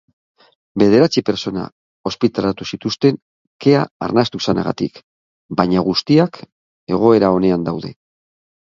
Bederatzi pertsona ospitaleratu zituzten kea arnastu izanagatik, baina guztiak egoera onean daude.